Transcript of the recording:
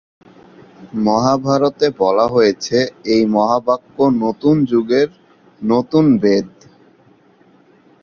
মহাভারতে বলা হয়েছে, এই মহাকাব্য নতুন যুগের নতুন বেদ।